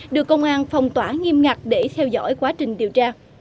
được công an phong tỏa nghiêm ngặt để theo dõi quá trình điều tra